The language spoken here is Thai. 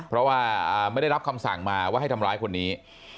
เพราะว่าไม่ได้รับคำสั่งมาว่าให้ทำร้ายคนนี้